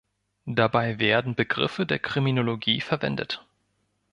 Dabei werden Begriffe der Kriminologie verwendet.